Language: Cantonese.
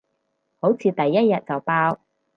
好似第一日就爆